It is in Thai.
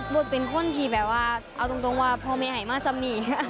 บอกเป็นคนที่แบบว่าเอาตรงว่าพอไม่ไหมาสำนีย์ค่ะ